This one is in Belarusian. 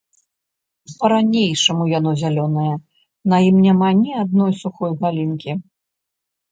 Па-ранейшаму яно зялёнае, на ім няма ні адной сухой галінкі.